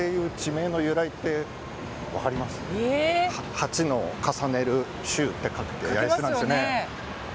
八の重ねる洲って書いて八重洲なんですよね。